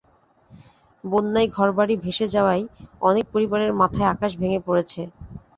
বন্যায় ঘরবাড়ি ভেসে যাওয়ায় অনেক পরিবারের মাথায় আকাশ ভেঙে পড়েছে।